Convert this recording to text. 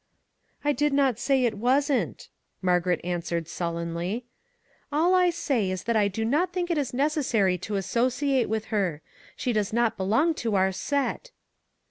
" I did not say it wasn't," Margaret an swered sullenly ;" all I say is that I do not think it is necessary to associate with her ; she does not belong to our set."